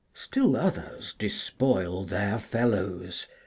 Still others despoil their fellows.